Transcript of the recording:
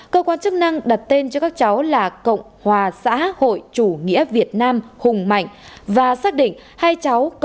cơ quan chức năng đặt tên cho các cháu là cộng hòa xã hội chủ nghĩa việt nam hùng mạnh và xác định hai cháu